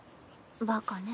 バカね。